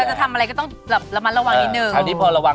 เวลาจะทำอะไรก็ต้องระบัยระวังนิดนึง